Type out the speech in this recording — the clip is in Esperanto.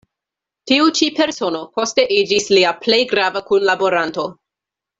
Tiu ĉi persono poste iĝis lia plej grava kunlaboranto.